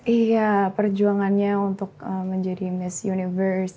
iya perjuangannya untuk menjadi miss universe